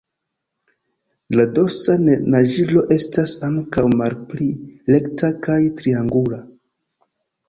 La dorsa naĝilo estas ankaŭ malpli rekta kaj triangula.